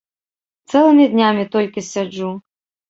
Цэлымі днямі толькі сяджу.